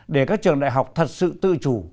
để các trường đại học thật sự tự chủ